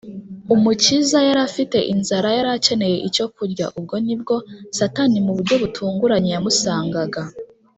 Umukiza yari afite inzara, yari akeneye icyo kurya, ubwo ni bwo Satani mu buryo butunguranye yamusangaga